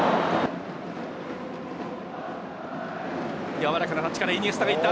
柔らかなタッチからイニエスタがいった。